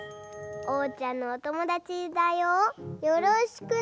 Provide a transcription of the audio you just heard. おうちゃんのおともだちだよよろしくね。